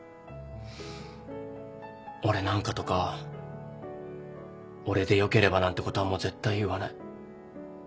「俺なんか」とか「俺でよければ」なんてことはもう絶対言わない。